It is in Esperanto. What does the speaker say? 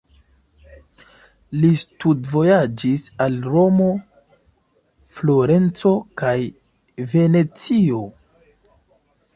Li studvojaĝis al Romo, Florenco kaj Venecio.